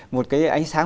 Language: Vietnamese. một cái ánh sáng